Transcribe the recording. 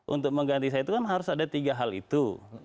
untuk mengganti saya itu kan harus ada tiga hal itu